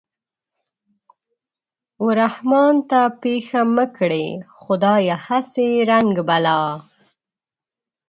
و رحمان ته پېښه مه کړې خدايه هسې رنگ بلا